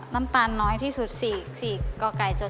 น้ำตาลน้อยที่สุด๔ก